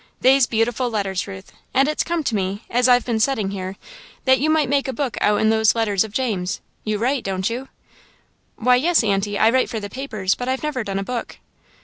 They's beautiful letters, Ruth, and it's come to me, as I've been settin' here, that you might make a book out'n these letters of James's. You write, don't you?" "Why, yes, Aunty, I write for the papers but I've never done a book."